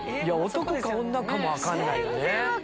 男か女かも分かんないよ。